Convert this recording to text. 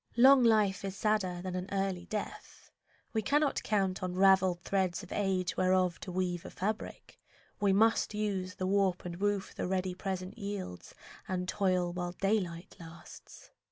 Long life is sadder than an early death. We cannot count on ravelled threads of age Whereof to weave a fabric. We must use The warp and woof the ready present yields And toil while daylight lasts.